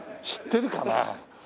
知ってるかな？